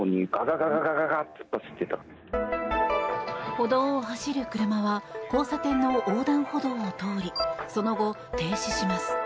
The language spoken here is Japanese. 歩道を走る車は交差点の横断歩道を通りその後、停止します。